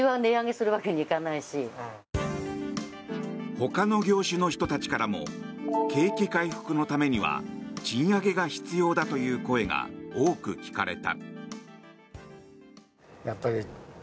ほかの業種の人たちからも景気回復のためには賃上げが必要だという声が多く聞かれた。